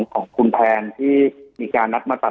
จนถึงปัจจุบันมีการมารายงานตัว